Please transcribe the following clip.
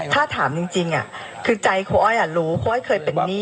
ถ้าถามจริงจริงอ่ะคือใจครูอ้อยอ่ะรู้ครูอ้อยเคยเป็นนี่